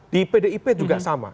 di pdip juga sama